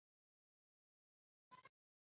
دوی په صنعت کې ضروري ګڼل کیږي.